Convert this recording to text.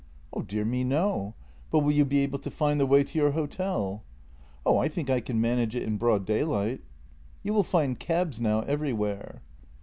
"" Dear me, no. But will you be able to find the way to your hotel? "" Oh, I think I can manage it in broad daylight." "You will find cabs now everywhere."